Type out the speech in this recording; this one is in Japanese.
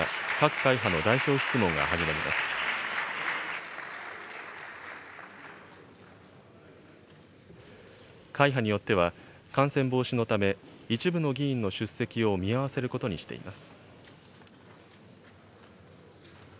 会派によっては、感染防止のため、一部の議員の出席を見合わせることにしています。